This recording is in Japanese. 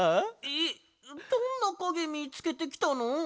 えっどんなかげみつけてきたの？